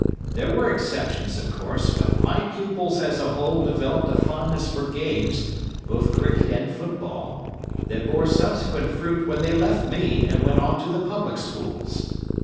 There were exceptions, of course, but my pupils as a whole developed a fondness for games, both cricket and football, that bore subsequent fruit when they left me and went on the public schools.